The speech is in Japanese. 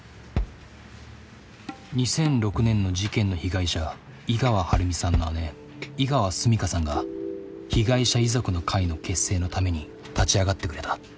２００６年の事件の被害者井川晴美さんの姉井川純夏さんが被害者遺族の会の結成のために立ち上がってくれた。